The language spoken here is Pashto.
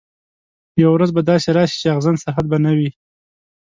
یوه ورځ به داسي راسي چي اغزن سرحد به نه وي